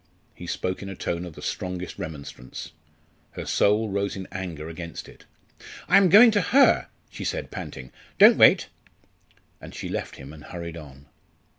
He spoke in a tone of the strongest remonstrance. Her soul rose in anger against it. "I am going to her" she said panting; "don't wait." And she left him and hurried on.